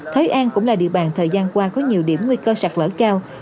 thới an cũng là địa bàn thời gian qua có nhiều điểm nguy cơ sạc lỡ cao